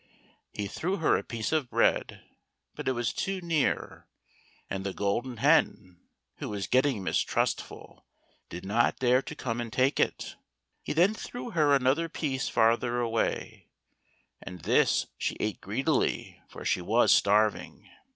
He threw her a piece of bread, but it was too near, and the Golden Hen, who was getting mistrustful, did not dare to come and take it. He then threw her another piece farther away, and this she ate greedily, for she was starving.